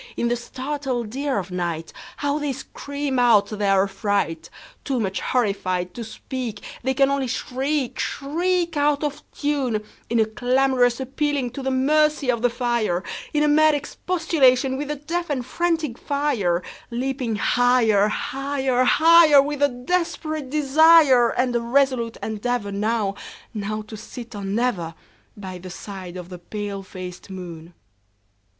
In the startled ear of nightHow they scream out their affright! Too much horrified to speak, They can only shriek, shriek, Out of tune, In a clamorous appealing to the mercy of the fire, In a mad expostulation with the deaf and frantic fire, Leaping higher, higher, higher, With a desperate desire, And a resolute endeavorNow—now to sit or never, By the side of the pale faced moon.